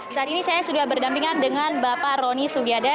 saat ini saya sudah berdampingan dengan bapak roni sugiada